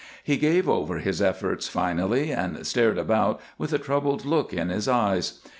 He gave over his efforts finally, and stared about with a troubled look in his eyes.